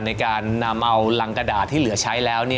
ในการนำเอารังกระดาษที่เหลือใช้แล้ว